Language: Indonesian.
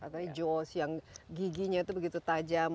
atau hijau yang giginya itu begitu tajam